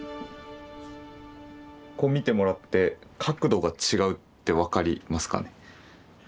こう見てもらって角度が違うって分かりますかね？